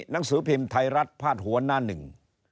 หนังสือพิมพ์ไทยรัฐพาดหัวหน้าหนึ่ง